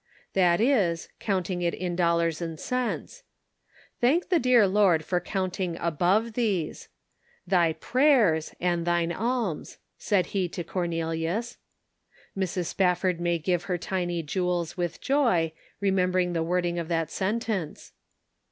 That is, counting it in dollars and cents. Thank the dear Lord for counting above these. " Thy prayers and thine alms," said he to Cornelius. Mi's. Spafford may give her tiny jewels with joy, remembering the wording of that sentence.